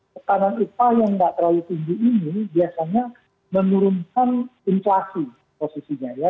tekanan upah yang nggak terlalu tinggi ini biasanya menurunkan inflasi posisinya ya